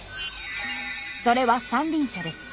それは三輪車です。